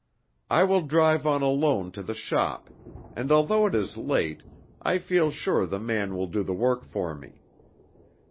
I will drive on alone to the shop, and, although it is late, I feel sure the man will do the work for me.